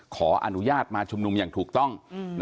ขออนุญาตมาชุมนุมอย่างถูกต้อง